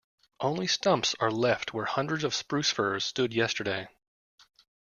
Only stumps are left where hundreds of spruce firs stood yesterday.